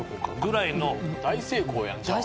大成功やんじゃあ。